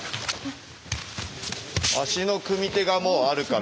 足の組み手がもうあるから。